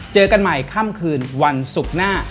เจอกันใหม่ค่ำคืนวันศุกร์หน้า